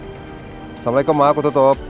assalamualaikum ma aku tutup